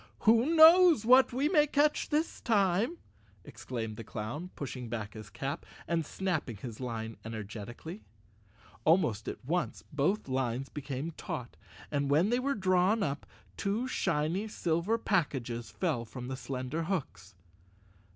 "Who knows what we may catch this time?" exclaimed the clown, pushing back his cap, and snapping his line energetically. Almost at once both lines became taut, and when they were drawn up, two shiny silver packages fell from the slender hooks.